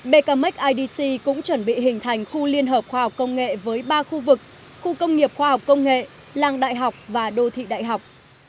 bkmac idc cũng chuẩn bị hình thành khu liên hợp khoa học công nghệ với ba khu vực khu công nghiệp khoa học công nghệ làng đại học và đô thị đại học